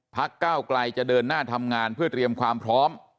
ก้าวไกลจะเดินหน้าทำงานเพื่อเตรียมความพร้อม